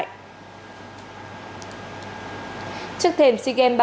trước thêm xin cảm ơn các bạn đã theo dõi và hẹn gặp lại